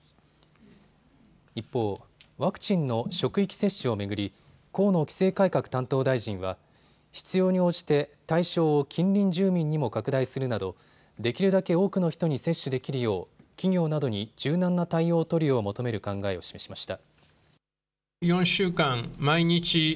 一方、ワクチンの職域接種を巡り河野規制改革担当大臣は必要に応じて対象を近隣住民にも拡大するなどできるだけ多くの人に接種できるよう企業などに柔軟な対応を取るよう求める考えを示しました。